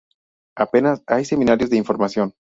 Apenas hay semanarios de información.